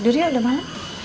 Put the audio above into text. dudih udah malem